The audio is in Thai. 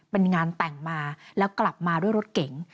เป็นงานแต่งมาแล้วกลับมาด้วยรถเก๋ง